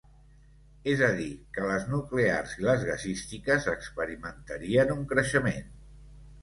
És a dir, que les nuclears i les gasístiques experimentarien un creixement.